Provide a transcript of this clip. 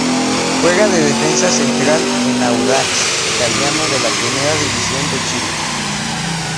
Juega de defensa central en Audax Italiano de la Primera División de Chile.